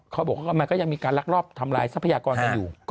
เขาบอกว่ามันก็ยังมีการลักลอบทำลายทรัพยากรกันอยู่